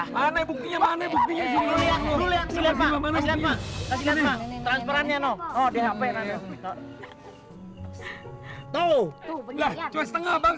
mana bukunya mana bukunya juga lu lihat lihat mana mana transparannya noh di hp tau tuh